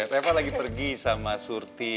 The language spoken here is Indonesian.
reva lagi pergi sama surti